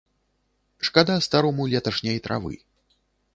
Шкада старому леташняй травы.